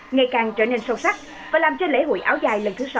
ngày càng trở nên sâu sắc và làm cho lễ hội áo dài lần thứ sáu